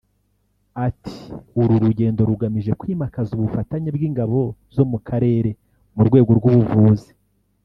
Ati” Uru rugendo rugamije kwimakaza ubufatanye bw’Ingabo zo mu Karere mu rwego rw’ubuvuzi